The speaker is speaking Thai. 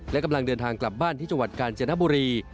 และกำลังเดินทางกลับบ้านที่จังหวัดกาญจนบุรี